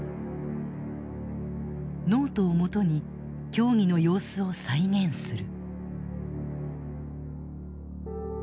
ノートをもとに協議の様子を再現する。